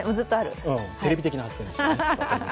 テレビ的な発言でしたね。